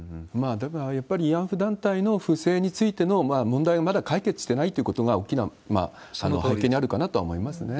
だから、やっぱり慰安婦団体の不正についての問題はまだ解決してないってことが大きな背景にあるかなと思いますね。